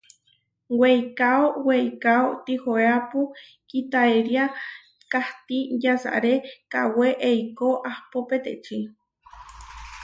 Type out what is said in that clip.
Weikáo weikáo tihoéapu kitaéria, kahtí yasaré kawé eikó ahpó peteči.